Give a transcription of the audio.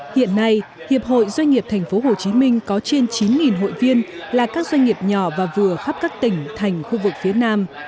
hiện nay hiệp hội doanh nghiệp tp hcm có trên chín hội viên là các doanh nghiệp nhỏ và vừa khắp các tỉnh thành khu vực phía nam